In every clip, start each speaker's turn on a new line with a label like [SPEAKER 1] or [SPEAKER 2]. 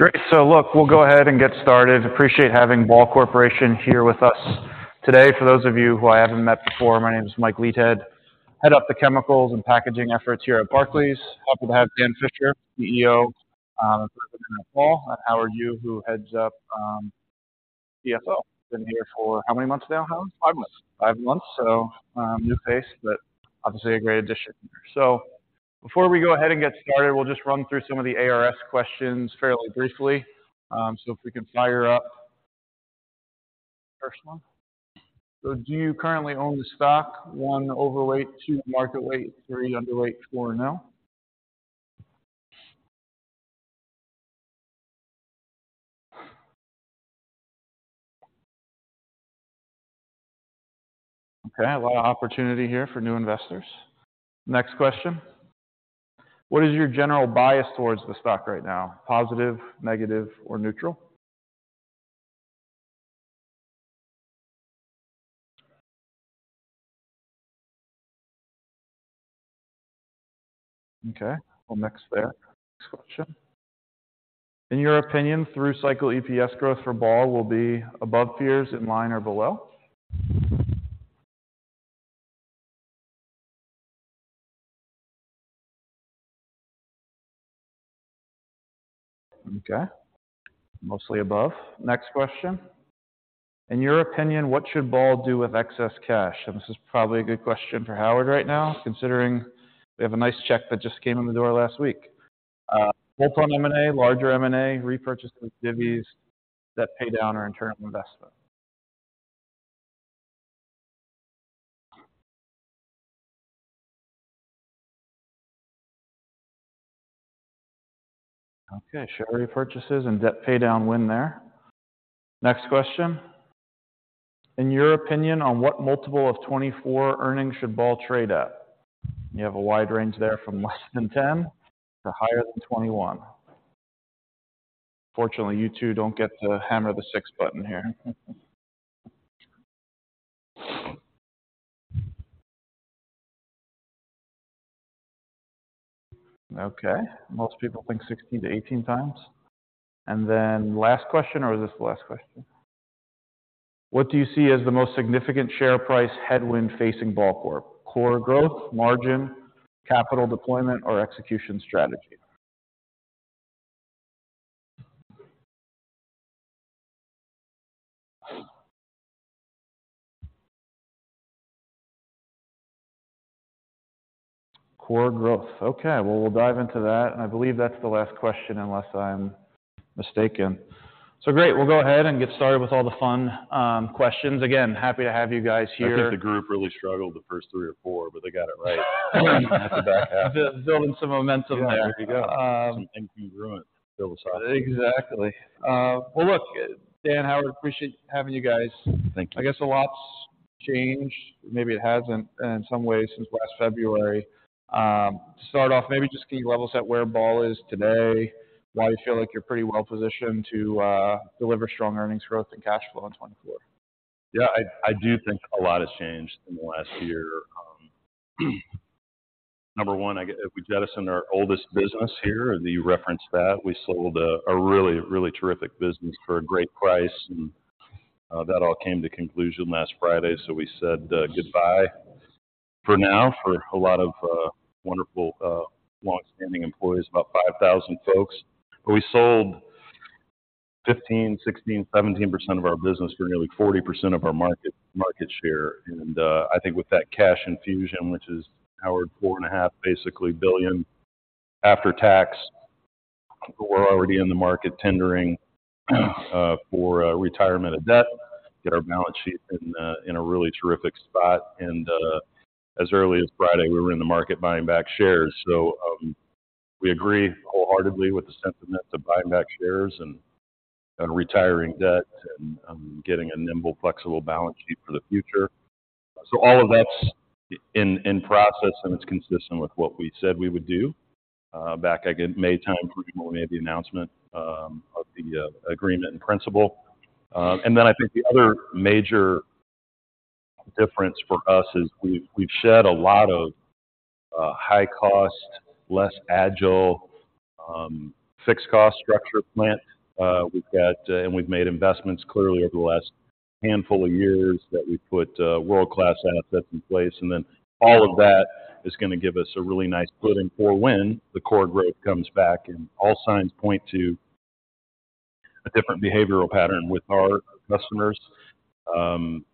[SPEAKER 1] Great! So look, we'll go ahead and get started. Appreciate having Ball Corporation here with us today. For those of you who I haven't met before, my name is Mike Leithead, head up the chemicals and packaging efforts here at Barclays. Happy to have Dan Fisher, CEO, at Ball, and Howard Yu, who heads up CFO. Been here for how many months now, Howard?
[SPEAKER 2] Five months.
[SPEAKER 1] Five months. So, new face, but obviously a great addition. So before we go ahead and get started, we'll just run through some of the ARS questions fairly briefly. So if we could fire up the first one. So do you currently own the stock? One, overweight; two, market weight; three, underweight; four, no. Okay, a lot of opportunity here for new investors. Next question: What is your general bias towards the stock right now? Positive, negative, or neutral? Okay, well, mixed there. Next question: In your opinion, through cycle, EPS growth for Ball will be above peers, in line, or below? Okay, mostly above. Next question: In your opinion, what should Ball do with excess cash? And this is probably a good question for Howard right now, considering we have a nice check that just came in the door last week. Focus on M&A, larger M&A, repurchase with divvies that pay down our internal investment. Okay, share repurchases and debt paydown win there. Next question: In your opinion, on what multiple of 2024 earnings should Ball trade at? You have a wide range there from less than 10 to higher than 21. Unfortunately, you two don't get to hammer the six button here. Okay, most people think 16x-18x. And then last question, or is this the last question? What do you see as the most significant share price headwind facing Ball Corp? Core growth, margin, capital deployment, or execution strategy? Core growth. Okay, well, we'll dive into that. I believe that's the last question, unless I'm mistaken. So great, we'll go ahead and get started with all the fun questions. Again, happy to have you guys here.
[SPEAKER 3] I think the group really struggled the first three or four, but they got it right. That's about half.
[SPEAKER 1] Building some momentum there.
[SPEAKER 3] There you go. Incongruent.
[SPEAKER 1] Exactly. Well, look, Dan, Howard, appreciate having you guys.
[SPEAKER 3] Thank you.
[SPEAKER 1] I guess a lot's changed, maybe it hasn't, in some ways since last February. To start off, maybe just can you level set where Ball is today, why you feel like you're pretty well positioned to deliver strong earnings growth and cash flow in 2024?
[SPEAKER 3] Yeah, I do think a lot has changed in the last year. Number one, we jettisoned our oldest business here, and you referenced that. We sold a really terrific business for a great price, and that all came to conclusion last Friday. So we said goodbye for now for a lot of wonderful long-standing employees, about 5,000 folks. We sold 15%-17% of our business for nearly 40% of our market share. And I think with that cash infusion, which is Howard, $4.5 billion basically after tax, we're already in the market tendering for retirement of debt, get our balance sheet in a really terrific spot. And as early as Friday, we were in the market buying back shares. So, we agree wholeheartedly with the sentiment to buying back shares and retiring debt and, getting a nimble, flexible balance sheet for the future. So all of that's in process, and it's consistent with what we said we would do, back, I guess, May time, pretty much when we made the announcement, of the agreement in principle. And then I think the other major difference for us is we've shed a lot of high cost, less agile, fixed cost structure plant. We've got, and we've made investments clearly over the last handful of years that we put world-class assets in place, and then all of that is gonna give us a really nice footing for when the core growth comes back, and all signs point to a different behavioral pattern with our customers.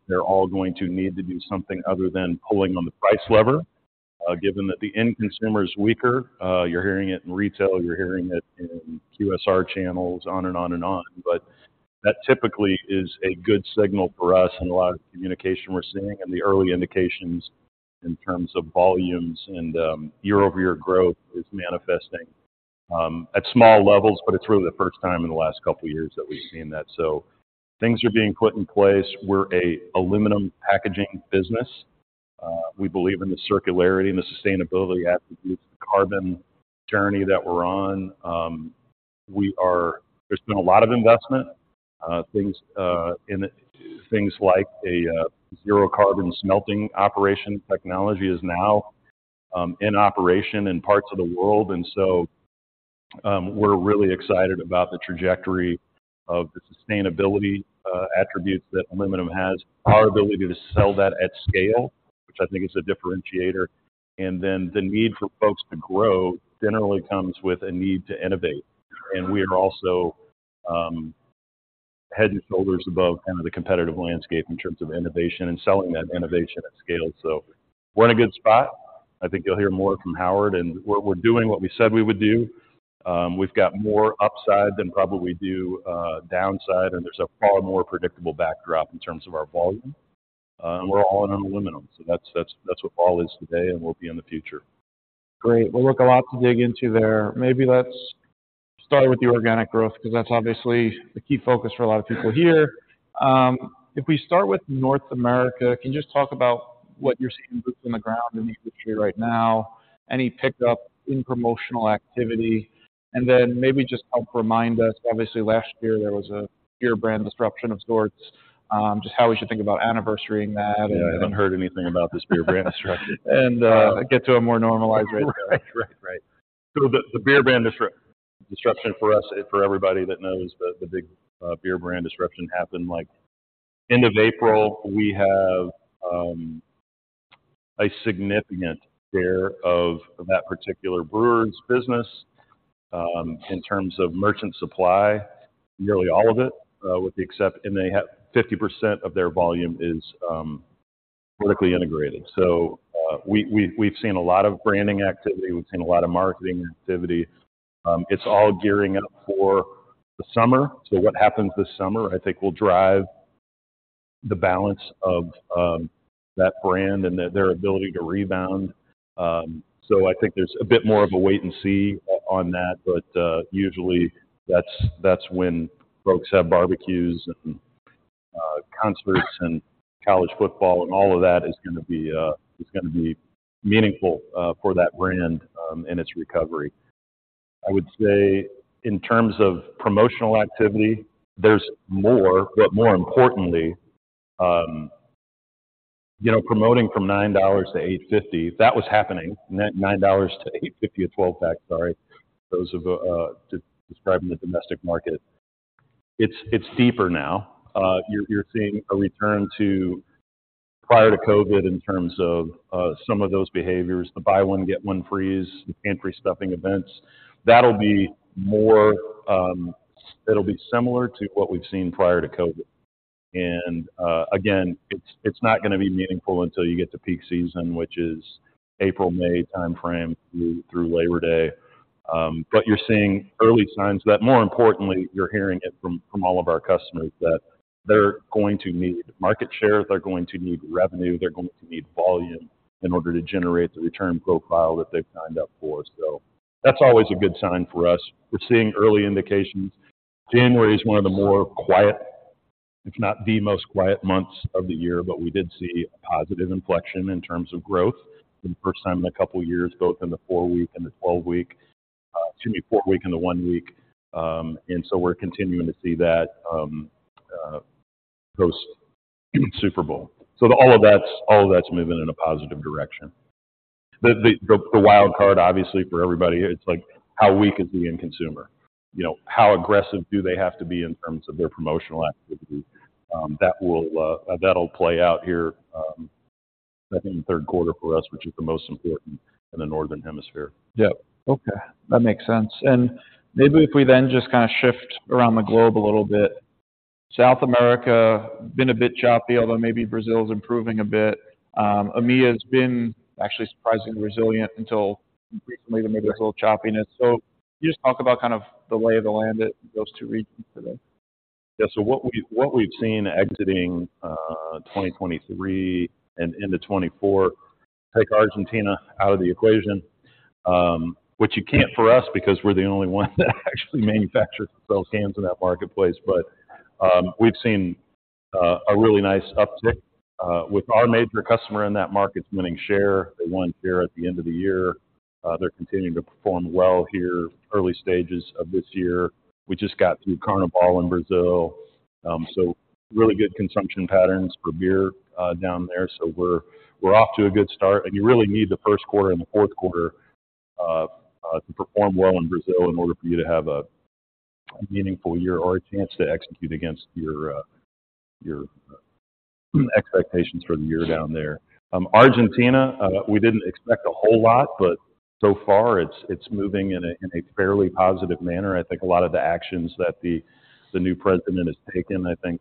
[SPEAKER 3] They're all going to need to do something other than pulling on the price lever, given that the end consumer is weaker. You're hearing it in retail, you're hearing it in QSR channels, on and on and on. But that typically is a good signal for us and a lot of communication we're seeing, and the early indications in terms of volumes and year-over-year growth is manifesting at small levels, but it's really the first time in the last couple of years that we've seen that. So things are being put in place. We're an aluminum packaging business. We believe in the circularity and the sustainability attributes, the carbon journey that we're on. There's been a lot of investment in things like a zero carbon smelting operation technology is now-... In operation in parts of the world. And so, we're really excited about the trajectory of the sustainability attributes that aluminum has, our ability to sell that at scale, which I think is a differentiator. And then the need for folks to grow generally comes with a need to innovate. And we are also head and shoulders above kind of the competitive landscape in terms of innovation and selling that innovation at scale. So we're in a good spot. I think you'll hear more from Howard, and we're doing what we said we would do. We've got more upside than probably we do downside, and there's a far more predictable backdrop in terms of our volume. And we're all in on aluminum. So that's what Ball is today and will be in the future.
[SPEAKER 1] Great. Well, look, a lot to dig into there. Maybe let's start with the organic growth, 'cause that's obviously the key focus for a lot of people here. If we start with North America, can you just talk about what you're seeing boots on the ground in the industry right now? Any pickup in promotional activity? And then maybe just help remind us, obviously, last year there was a beer brand disruption of sorts, just how we should think about anniversarying that and-
[SPEAKER 3] Yeah, I haven't heard anything about this beer brand disruption.
[SPEAKER 1] Get to a more normalized rate.
[SPEAKER 3] Right. Right, right. So the beer brand disruption for us, for everybody that knows, the big beer brand disruption happened like end of April. We have a significant share of that particular brewer's business, in terms of merchant supply, nearly all of it, with the exception and they have 50% of their volume is vertically integrated. So, we, we've seen a lot of branding activity, we've seen a lot of marketing activity. It's all gearing up for the summer. So what happens this summer, I think, will drive the balance of, that brand and their ability to rebound. So I think there's a bit more of a wait and see on that, but usually that's when folks have barbecues and concerts and college football, and all of that is gonna be meaningful for that brand in its recovery. I would say in terms of promotional activity, there's more, but more importantly, you know, promoting from $9 to $8.50, that was happening. $9 to $8.50 a 12-pack, sorry, those describing the domestic market. It's deeper now. You're seeing a return to prior to COVID in terms of some of those behaviors. The buy one, get one frees, the pantry stuffing events, that'll be more, it'll be similar to what we've seen prior to COVID. Again, it's not gonna be meaningful until you get to peak season, which is April-May timeframe through Labor Day. But you're seeing early signs that, more importantly, you're hearing it from all of our customers, that they're going to need market share, they're going to need revenue, they're going to need volume in order to generate the return profile that they've signed up for. So that's always a good sign for us. We're seeing early indications. January is one of the more quiet, if not the most quiet, months of the year, but we did see a positive inflection in terms of growth for the first time in a couple of years, both in the four-week and the twelve-week, excuse me, four-week and the one week. And so we're continuing to see that post Super Bowl. So all of that's, all of that's moving in a positive direction. The wild card, obviously, for everybody here, it's like, how weak is the end consumer? You know, how aggressive do they have to be in terms of their promotional activity? That'll play out here, I think in the third quarter for us, which is the most important in the Northern Hemisphere.
[SPEAKER 1] Yeah. Okay, that makes sense. And maybe if we then just kinda shift around the globe a little bit. South America, been a bit choppy, although maybe Brazil is improving a bit. AMEA has been actually surprisingly resilient until recently, maybe a little choppiness. So can you just talk about kind of the lay of the land in those two regions today?
[SPEAKER 3] Yeah. So what we, what we've seen exiting 2023 and into 2024, take Argentina out of the equation, which you can't for us, because we're the only ones that actually manufacture and sell cans in that marketplace. But, we've seen a really nice uptick with our major customer in that market winning share. They won share at the end of the year. They're continuing to perform well here, early stages of this year. We just got through Carnival in Brazil. So really good consumption patterns for beer down there. So we're, we're off to a good start, and you really need the first quarter and the fourth quarter to perform well in Brazil in order for you to have a meaningful year or a chance to execute against your expectations for the year down there. Argentina, we didn't expect a whole lot, but so far it's moving in a fairly positive manner. I think a lot of the actions that the new president has taken, I think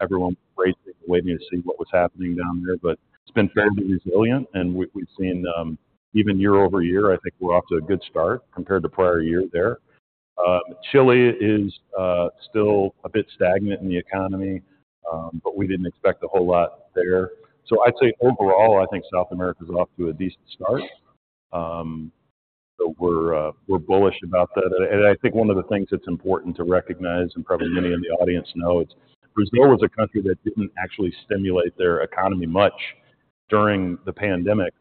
[SPEAKER 3] everyone was waiting to see what was happening down there, but it's been fairly resilient, and we've seen even year-over-year, I think we're off to a good start compared to prior year there. Chile is still a bit stagnant in the economy, but we didn't expect a whole lot there. So I'd say overall, I think South America's off to a decent start. So we're bullish about that. I think one of the things that's important to recognize, and probably many in the audience know, it's Brazil was a country that didn't actually stimulate their economy much during the pandemic,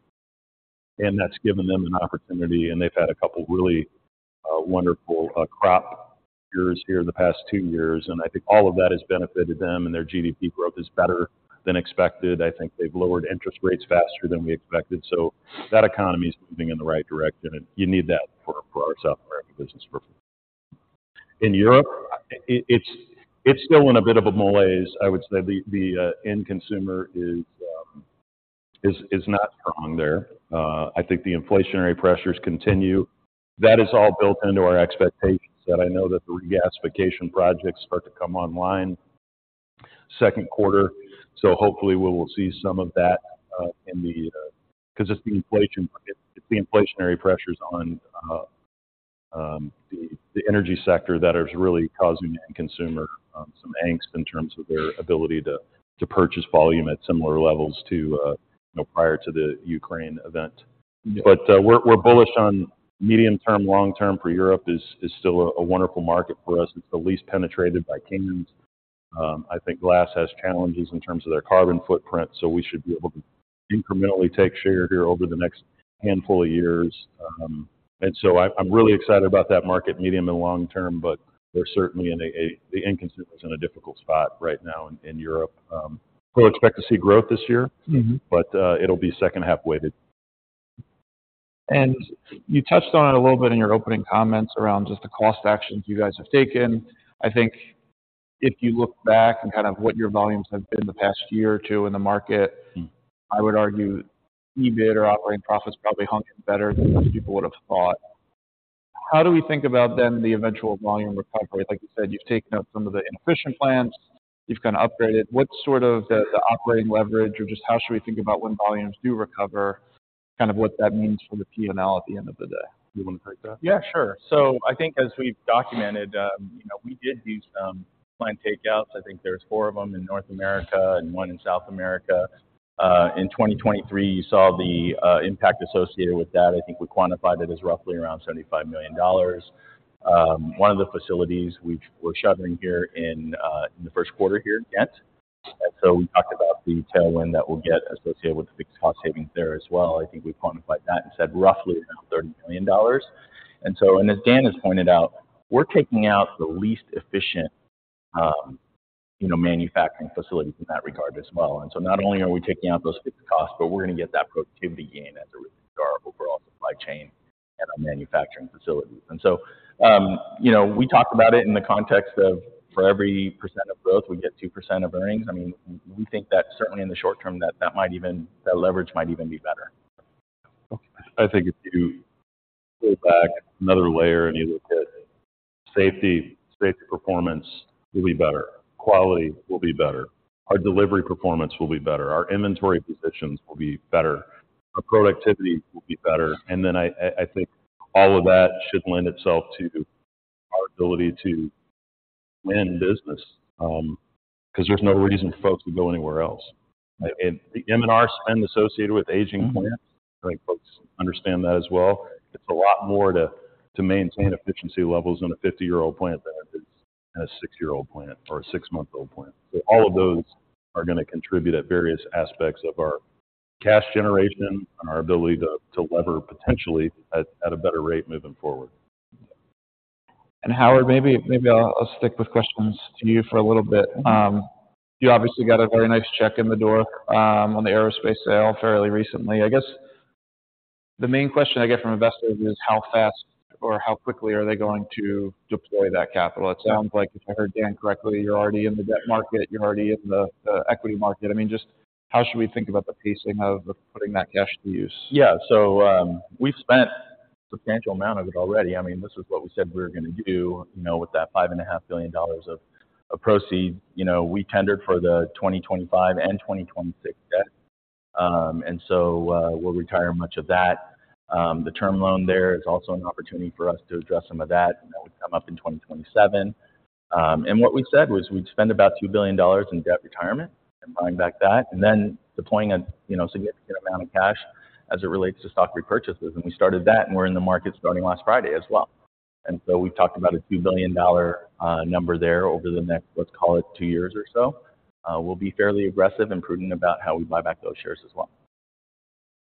[SPEAKER 3] and that's given them an opportunity, and they've had a couple of wonderful crop years here in the past two years, and I think all of that has benefited them, and their GDP growth is better than expected. I think they've lowered interest rates faster than we expected. So that economy is moving in the right direction, and you need that for our software business. In Europe, it's still in a bit of a malaise. I would say the end consumer is not strong there. I think the inflationary pressures continue. That is all built into our expectations, that I know that the regasification projects start to come online second quarter, so hopefully we will see some of that, 'cause it's the inflationary pressures on the energy sector that is really causing the end consumer some angst in terms of their ability to purchase volume at similar levels to you know prior to the Ukraine event. But, we're bullish on medium term, long term for Europe is still a wonderful market for us. It's the least penetrated by cans. I think glass has challenges in terms of their carbon footprint, so we should be able to incrementally take share here over the next handful of years. And so I'm really excited about that market, medium and long term, but we're certainly in a the end consumer is in a difficult spot right now in Europe. So we expect to see growth this year.
[SPEAKER 1] Mm-hmm.
[SPEAKER 3] But, it'll be second half-weighted.
[SPEAKER 1] And you touched on it a little bit in your opening comments around just the cost actions you guys have taken. I think if you look back and kind of what your volumes have been in the past year or two in the market-
[SPEAKER 3] Mm.
[SPEAKER 1] I would argue EBIT or operating profits probably hung in better than most people would have thought. How do we think about then, the eventual volume recovery? Like you said, you've taken out some of the inefficient plants, you've kind of upgraded. What's sort of the, the operating leverage, or just how should we think about when volumes do recover, kind of what that means for the PNL at the end of the day?
[SPEAKER 3] You want to take that?
[SPEAKER 4] Yeah, sure. So I think as we've documented, you know, we did do some plant takeouts. I think there's four of them in North America and one in South America. In 2023, you saw the impact associated with that. I think we quantified it as roughly around $75 million. One of the facilities we're shuttering here in the first quarter here, Kent. And so we talked about the tailwind that we'll get associated with the fixed cost savings there as well. I think we quantified that and said roughly around $30 million. And so and as Dan has pointed out, we're taking out the least efficient, you know, manufacturing facilities in that regard as well. Not only are we taking out those fixed costs, but we're gonna get that productivity gain as it relates to our overall supply chain and our manufacturing facilities. You know, we talk about it in the context of, for every percent of growth, we get 2% of earnings. I mean, we think that certainly in the short term, that leverage might even be better.
[SPEAKER 3] I think if you pull back another layer and you look at safety, safety performance will be better, quality will be better, our delivery performance will be better, our inventory positions will be better, our productivity will be better. And then I think all of that should lend itself to our ability to win business, 'cause there's no reason for folks to go anywhere else. And the M&R spend associated with aging plants, I think folks understand that as well. It's a lot more to maintain efficiency levels in a 50-year-old plant than it is in a six-year-old plant or a six-month-old plant. So all of those are gonna contribute at various aspects of our cash generation and our ability to lever potentially at a better rate moving forward.
[SPEAKER 1] Howard, maybe I'll stick with questions to you for a little bit. You obviously got a very nice check in the door on the aerospace sale fairly recently. I guess the main question I get from investors is how fast or how quickly are they going to deploy that capital? It sounds like, if I heard Dan correctly, you're already in the debt market, you're already in the equity market. I mean, just how should we think about the pacing of putting that cash to use?
[SPEAKER 4] Yeah. So, we've spent a substantial amount of it already. I mean, this is what we said we were gonna do, you know, with that $5.5 billion of proceeds. You know, we tendered for the 2025 and 2026 debt. And so, we'll retire much of that. The term loan there is also an opportunity for us to address some of that, and that would come up in 2027. And what we said was we'd spend about $2 billion in debt retirement and buying back that, and then deploying a, you know, significant amount of cash as it relates to stock repurchases. And we started that, and we're in the markets starting last Friday as well. And so we've talked about a $2 billion number there over the next, let's call it two years or so. We'll be fairly aggressive and prudent about how we buy back those shares as well.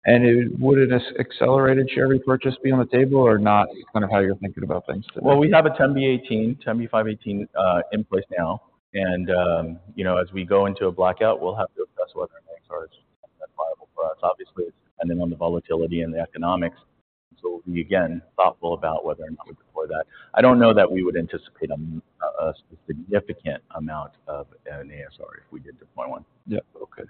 [SPEAKER 1] Would an accelerated share repurchase be on the table or not, kind of how you're thinking about things?
[SPEAKER 4] Well, we have a 10b-18, 10b5-1 in place now, and, you know, as we go into a blackout, we'll have to assess whether an ASR is identifiable for us. Obviously, it's dependent on the volatility and the economics, so we'll be, again, thoughtful about whether or not we deploy that. I don't know that we would anticipate a significant amount of an ASR if we did deploy one.
[SPEAKER 1] Yeah. Okay.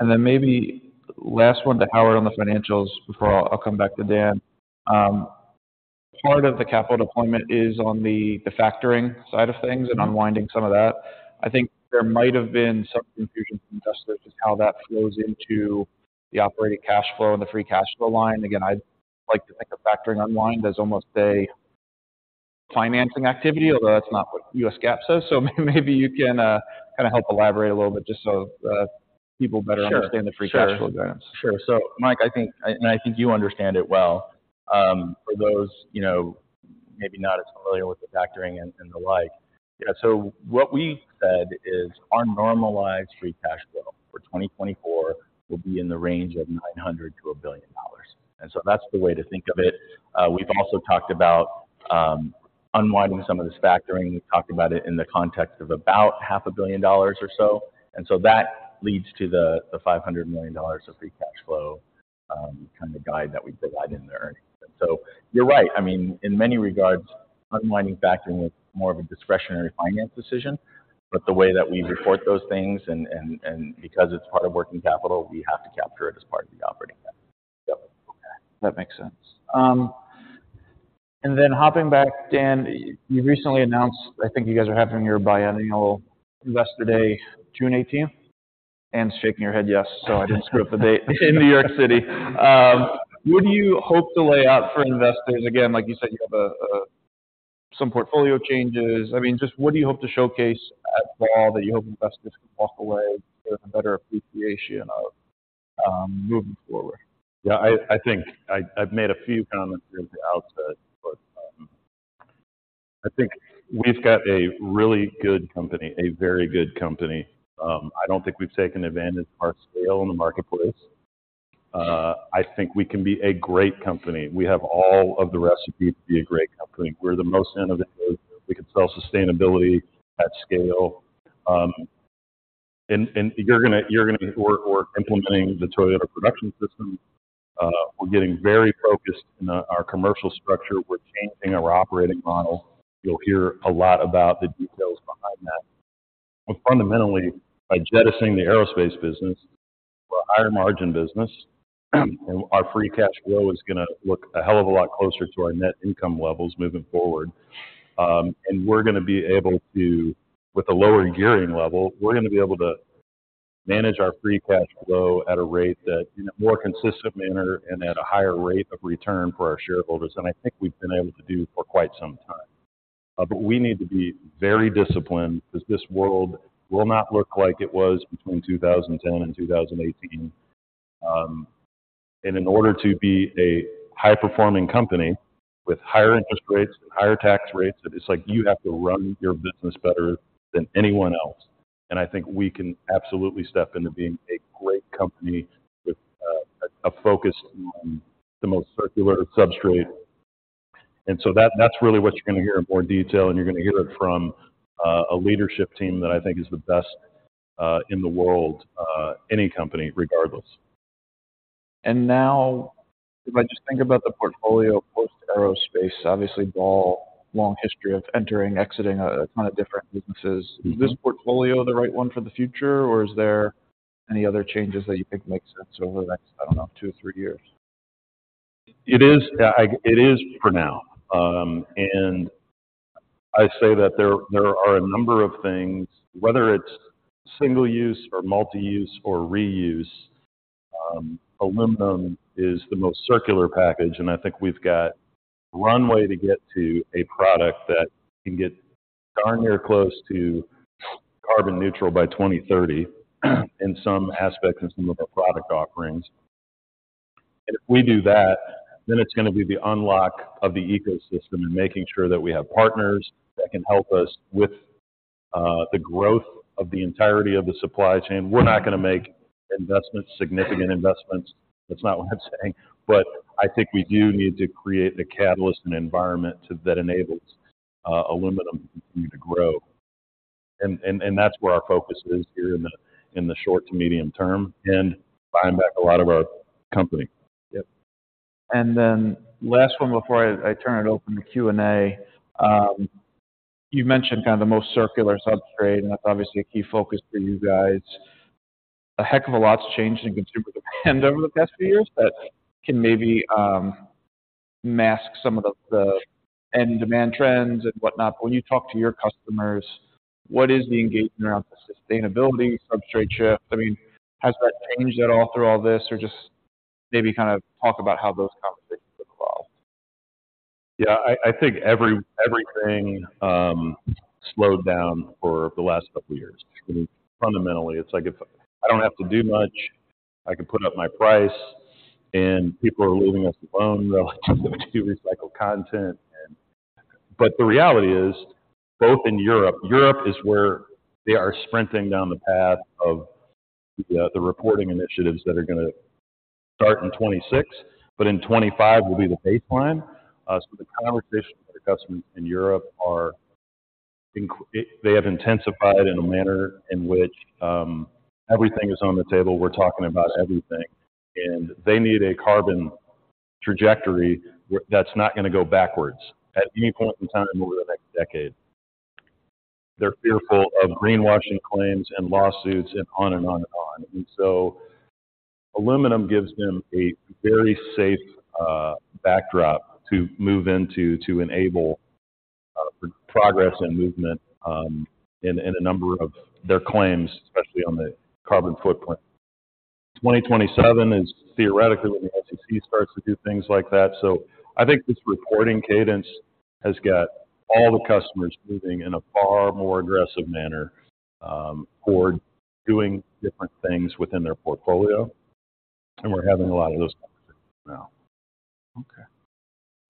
[SPEAKER 1] And then maybe last one to Howard on the financials before I'll come back to Dan. Part of the capital deployment is on the factoring side of things and unwinding some of that. I think there might have been some confusion from investors, just how that flows into the operating cash flow and the free cash flow line. Again, I'd like to think of factoring unwind as almost a financing activity, although that's not what US GAAP says. So maybe you can kind of help elaborate a little bit just so people better-
[SPEAKER 4] Sure...
[SPEAKER 1] understand the free cash flow guidance.
[SPEAKER 4] Sure. So Mike, I think, and I think you understand it well, for those, you know, maybe not as familiar with the factoring and, and the like. Yeah, so what we said is our normalized free cash flow for 2024 will be in the range of $900 million-$1 billion. So that's the way to think of it. We've also talked about unwinding some of this factoring. We've talked about it in the context of about $500 million or so, and so that leads to the $500 million of free cash flow kind of guide that we provided in the earnings. So you're right. I mean, in many regards, unwinding factoring is more of a discretionary finance decision, but the way that we report those things and because it's part of working capital, we have to capture it as part of the operating plan. Yep.
[SPEAKER 1] Okay, that makes sense. And then hopping back, Dan, you recently announced, I think you guys are having your biennial Investor Day, June eighteenth? Ann's shaking her head yes, so I didn't screw up the date. In New York City. What do you hope to lay out for investors? Again, like you said, you have some portfolio changes. I mean, just what do you hope to showcase at Ball that you hope investors can walk away with a better appreciation of, moving forward?
[SPEAKER 3] Yeah, I think I've made a few comments at the outset, but I think we've got a really good company, a very good company. I don't think we've taken advantage of our scale in the marketplace. I think we can be a great company. We have all of the recipes to be a great company. We're the most innovative. We can sell sustainability at scale, and you're gonna - we're implementing the Toyota Production System. We're getting very focused in our commercial structure. We're changing our operating model. You'll hear a lot about the details behind that. But fundamentally, by jettisoning the aerospace business, we're a higher margin business, and our free cash flow is gonna look a hell of a lot closer to our net income levels moving forward. We're gonna be able to, with a lower gearing level, we're gonna be able to manage our free cash flow at a rate that in a more consistent manner and at a higher rate of return for our shareholders than I think we've been able to do for quite some time. We need to be very disciplined, because this world will not look like it was between 2010 and 2018. In order to be a high-performing company with higher interest rates and higher tax rates, it's like you have to run your business better than anyone else. I think we can absolutely step into being a great company with a focus on the most circular substrate. And so that's really what you're gonna hear in more detail, and you're gonna hear it from a leadership team that I think is the best in the world, any company, regardless.
[SPEAKER 1] Now, if I just think about the portfolio post aerospace, obviously, Ball, long history of entering, exiting a ton of different businesses.
[SPEAKER 3] Mm-hmm.
[SPEAKER 1] Is this portfolio the right one for the future, or is there any other changes that you think makes sense over the next, I don't know, two or three years?
[SPEAKER 3] It is, it is for now. And I say that there are a number of things, whether it's single use or multi-use or reuse, aluminum is the most circular package, and I think we've got runway to get to a product that can get darn near close to carbon neutral by 2030, in some aspects, in some of our product offerings. And if we do that, then it's gonna be the unlock of the ecosystem and making sure that we have partners that can help us with the growth of the entirety of the supply chain. We're not gonna make investments, significant investments. That's not what I'm saying, but I think we do need to create the catalyst and environment to that enables aluminum to grow. And that's where our focus is here in the short to medium term, and buying back a lot of our company.
[SPEAKER 1] Yep. And then last one before I turn it open to Q&A. You mentioned kind of the most circular substrate, and that's obviously a key focus for you guys. A heck of a lot's changed in consumer demand over the past few years that can maybe mask some of the end demand trends and whatnot. But when you talk to your customers, what is the engagement around the sustainability substrate shift? I mean, has that changed at all through all this, or just maybe kind of talk about how those conversations have evolved.
[SPEAKER 3] Yeah, I think everything slowed down for the last couple of years. Fundamentally, it's like, if I don't have to do much, I can put up my price and people are leaving us alone. They're like, "Just give me recycled content." But the reality is, both in Europe—Europe is where they are sprinting down the path of the reporting initiatives that are gonna start in 2026, but in 2025 will be the baseline. So the conversations with the customers in Europe are intensified. They have intensified in a manner in which everything is on the table. We're talking about everything, and they need a carbon trajectory that's not gonna go backwards at any point in time over the next decade. They're fearful of greenwashing claims and lawsuits and on and on and on. Aluminum gives them a very safe backdrop to move into to enable progress and movement in a number of their claims, especially on the carbon footprint. 2027 is theoretically when the SEC starts to do things like that. So I think this reporting cadence has got all the customers moving in a far more aggressive manner toward doing different things within their portfolio. We're having a lot of those now.
[SPEAKER 1] Okay.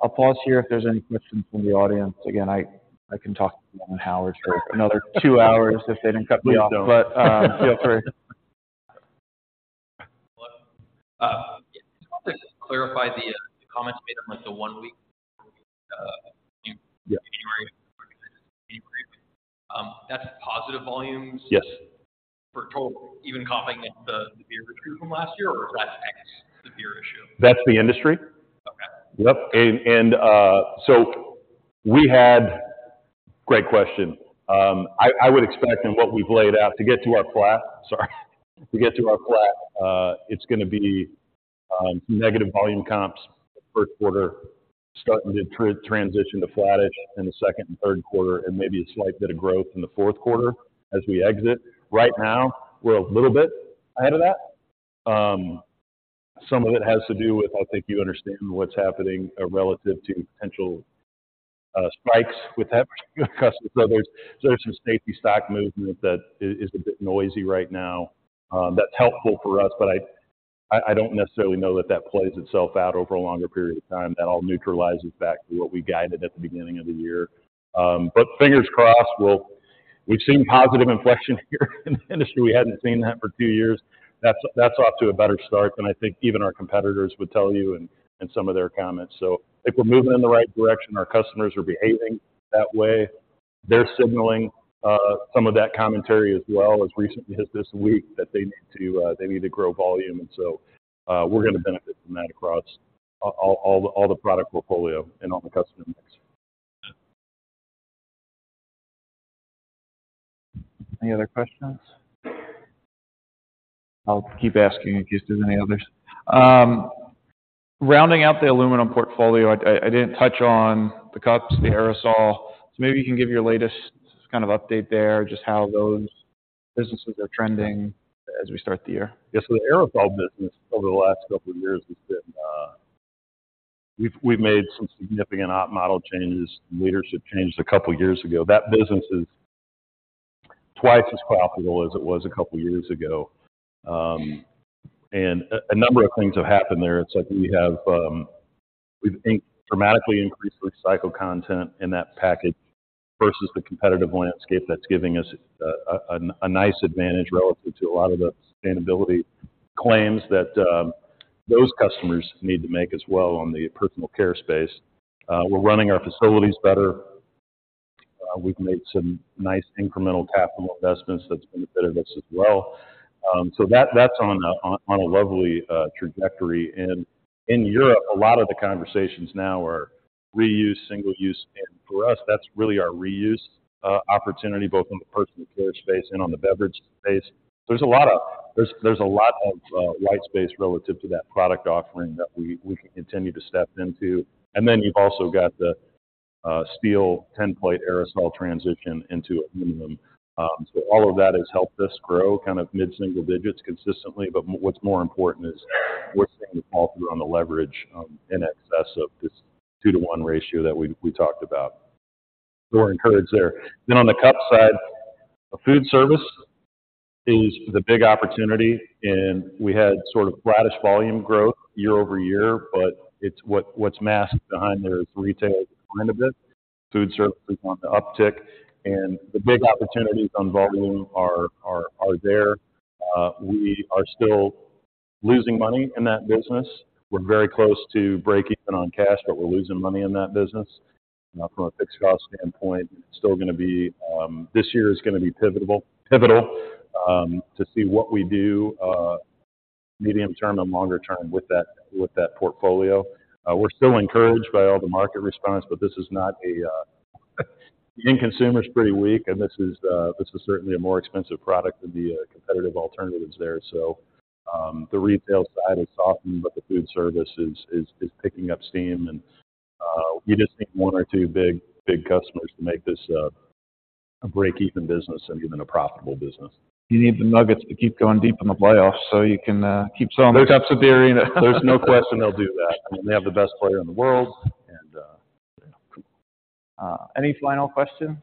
[SPEAKER 1] I'll pause here if there's any questions from the audience. Again, I can talk to you and Howard for another two hours if they didn't cut me off.
[SPEAKER 3] Please don't.
[SPEAKER 1] But, feel free.
[SPEAKER 5] Just to clarify the comments made on, like, the one week January. That's positive volumes?
[SPEAKER 3] Yes.
[SPEAKER 5] For total, even comping the beer retail from last year, or that's ex the beer issue?
[SPEAKER 3] That's the industry.
[SPEAKER 5] Okay.
[SPEAKER 3] Yep, Great question. I would expect in what we've laid out to get to our flat, sorry. To get to our flat, it's gonna be negative volume comps first quarter, starting to transition to flattish in the second and third quarter, and maybe a slight bit of growth in the fourth quarter as we exit. Right now, we're a little bit ahead of that. Some of it has to do with, I think you understand, what's happening relative to potential spikes with that particular customer. So there's some safety stock movement that is a bit noisy right now. That's helpful for us, but I don't necessarily know that that plays itself out over a longer period of time. That all neutralizes back to what we guided at the beginning of the year. But fingers crossed, we'll. We've seen positive inflection here in the industry. We hadn't seen that for two years. That's off to a better start than I think even our competitors would tell you in some of their comments. So I think we're moving in the right direction. Our customers are behaving that way. They're signaling some of that commentary as well, as recently as this week, that they need to grow volume. And so, we're gonna benefit from that across all the product portfolio and all the customer mix.
[SPEAKER 1] Any other questions? I'll keep asking in case there's any others. Rounding out the aluminum portfolio, I didn't touch on the cups, the aerosol. So maybe you can give your latest kind of update there, just how those businesses are trending as we start the year.
[SPEAKER 3] Yes, so the aerosol business over the last couple of years has been we've made some significant op model changes. Leadership changed a couple of years ago. That business is twice as profitable as it was a couple of years ago. And a number of things have happened there. It's like we have dramatically increased the recycle content in that package versus the competitive landscape that's giving us a nice advantage relative to a lot of the sustainability claims that those customers need to make as well on the personal care space. We're running our facilities better. We've made some nice incremental capital investments that's benefited us as well. So that that's on a lovely trajectory. And in Europe, a lot of the conversations now are reuse, single-use, and for us, that's really our reuse opportunity, both on the personal care space and on the beverage space. There's a lot of white space relative to that product offering that we can continue to step into. And then you've also got the steel tinplate aerosol transition into aluminum. So all of that has helped us grow kind of mid-single digits consistently. But what's more important is we're seeing the follow-through on the leverage in excess of this 2-to-1 ratio that we talked about. We're encouraged there. Then on the cup side, food service is the big opportunity, and we had sort of flattish volume growth year-over-year, but it's what's masked behind there is retail quite a bit. Food service is on the uptick, and the big opportunities on volume are there. We are still losing money in that business. We're very close to breaking even on cash, but we're losing money in that business from a fixed cost standpoint. It's still gonna be this year is gonna be pivotal to see what we do medium term and longer term with that portfolio. We're still encouraged by all the market response, but this is not a the end consumer is pretty weak, and this is certainly a more expensive product than the competitive alternatives there. So, the retail side has softened, but the food service is picking up steam, and we just need one or two big, big customers to make this a break-even business and even a profitable business.
[SPEAKER 1] You need the Nuggets to keep going deep in the playoffs, so you can keep selling those types of beer.
[SPEAKER 3] There's no question they'll do that. I mean, they have the best player in the world, and...
[SPEAKER 1] Any final questions?